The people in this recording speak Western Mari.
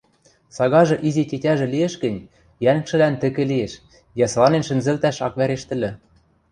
Сагажы изи тетяжӹ лиэш гӹнь, йӓнгжӹлӓн тӹкӹ лиэш, ясыланен шӹнзӹлтӓш ак вӓрешт ыльы.